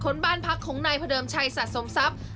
บ้านพักของนายพระเดิมชัยสะสมทรัพย์